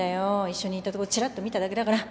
一緒にいたとこちらっと見ただけだから。